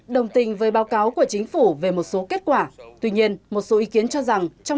đồng tình với báo cáo của chính phủ về một số kết quả tuy nhiên một số ý kiến cho rằng trong